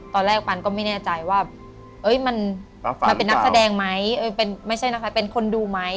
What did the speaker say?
ปันก็ไม่แน่ใจว่ามันเป็นนักแสดงไหมไม่ใช่นะคะเป็นคนดูไหม